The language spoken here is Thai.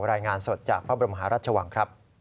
รายงานสดจากพระบรมหารัชวังครับ